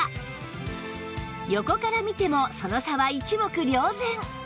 横から見てもその差は一目瞭然